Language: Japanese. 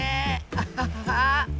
アハハハ！